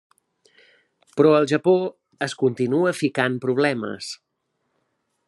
Però al Japó, es continua ficant problemes.